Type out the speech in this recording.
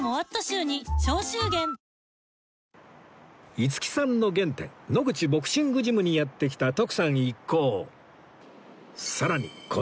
五木さんの原点野口ボクシングジムにやって来た徳さん一行